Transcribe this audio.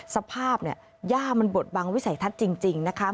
สภาพเนี่ยย่ามันบดบังวิสัยทัศน์จริงนะคะ